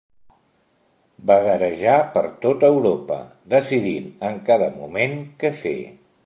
Vagarejà per tot Europa, decidint en cada moment què fer.